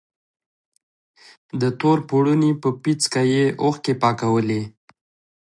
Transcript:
د تور پوړني په پيڅکه يې اوښکې پاکولې.